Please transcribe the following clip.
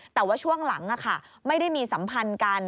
แต่ว่าช่วงหลังไม่ได้มีสัมพันธ์กัน